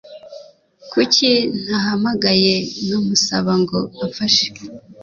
Kuki ntahamagaye nkamusaba ngo amfashe?